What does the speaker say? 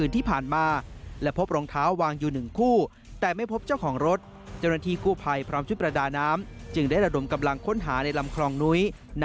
ติดตามจากรอยงานครับ